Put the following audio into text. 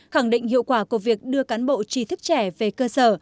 khẳng định hiệu quả của việc đưa cán bộ trí thức trẻ về cơ sở